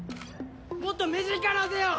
もっと目力ぜよ！